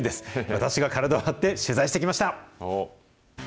私が体を張って取材してきました。